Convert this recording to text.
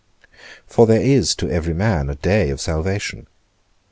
For there is to every man a day of salvation.